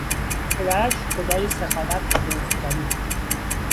پدرش خدای سخاوت و درستکاری بود.